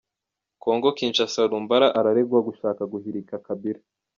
kongo Kinshasa Lumbala araregwa gushaka guhirika Kabila